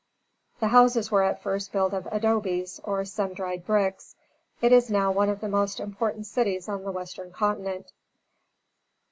The houses were at first built of adobes, or sun dried bricks. It is now one of the most important cities on the western continent.